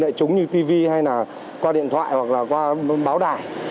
lại trúng như tv hay là qua điện thoại hoặc là qua báo đài